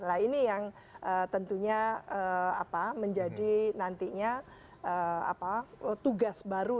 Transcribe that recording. nah ini yang tentunya menjadi nantinya tugas baru